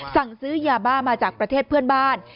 สั่งซื้อยาบ้ามาจากประเทศเพื่อนบ้าน